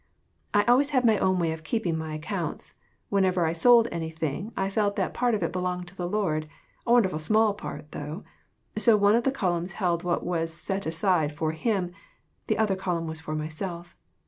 I always had my own way of keeping my accounts ; whenever I sold anything I felt that part of it belonged to the Lord a wonderful small part, though so one of the columns held what was set apart for him, the other column was for myself.